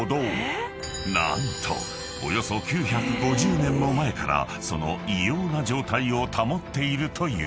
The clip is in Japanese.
［何とおよそ９５０年も前からその異様な状態を保っているという］